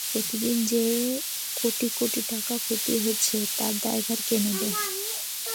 প্রতিদিন যে কোটি কোটি টাকা ক্ষতি হচ্ছে, এর দায়ভার কে নেবে।